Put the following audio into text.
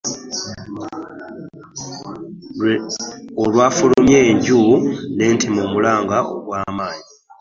Olwafulumye enju n'atema omulanga ogw'amaanyi.